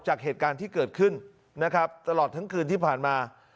จากเหตุการณ์ที่เกิดขึ้นนะครับตลอดทั้งคืนที่ผ่านมา